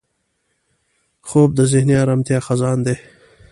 خوب د ذهني ارامتیا خزان دی